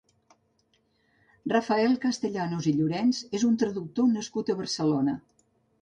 Rafael Castellanos i Llorenç és un traductor nascut a Barcelona.